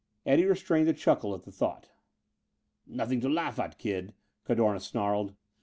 Eddie restrained a chuckle at the thought. "Nothing to laugh at, kid!" Cadorna snarled.